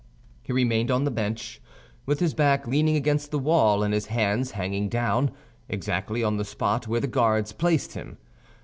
He remained on the bench, with his back leaning against the wall and his hands hanging down, exactly on the spot where the guards placed him.